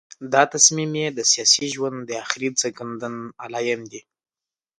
دا تصمیم یې د سیاسي ژوند د آخري ځنکدن علایم دي.